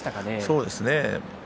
そうですね。